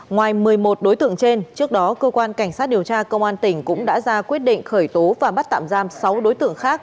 ngoài một mươi một đối tượng trên trước đó cơ quan cảnh sát điều tra công an tỉnh cũng đã ra quyết định khởi tố và bắt tạm giam sáu đối tượng khác